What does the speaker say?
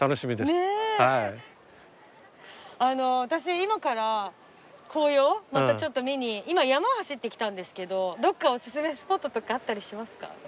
私今から紅葉をまたちょっと見に今山を走ってきたんですけどどっかおすすめスポットとかあったりしますか？